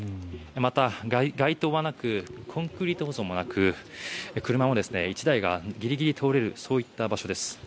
また、街灯はなくコンクリート舗装もなく車も１台がギリギリ通れるそういった場所です。